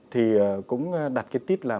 thì cũng đặt cái tít là